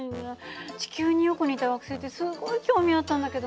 地球によく似た惑星ってすごい興味あったんだけどな。